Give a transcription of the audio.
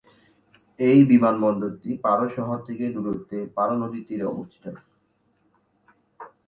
এই বিমানবন্দরটি পারো শহর থেকে দূরত্বে পারো নদীর তীরে অবস্থিত।